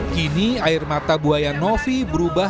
kini air mata buaya novi berubah